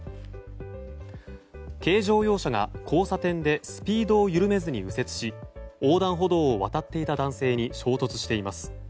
軽乗用車が交差点でスピードを緩めずに右折し横断歩道を渡っていた男性に衝突しています。